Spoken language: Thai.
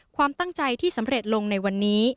ความตั้งใจที่สำเร็จลงในวันนี้